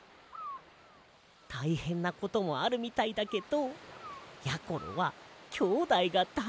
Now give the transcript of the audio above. たいへんなこともあるみたいだけどやころはきょうだいがだいすきなんだな。